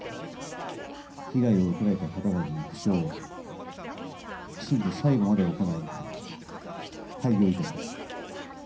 被害を受けられた方々への補償、きちんと最後まで行い、廃業いたします。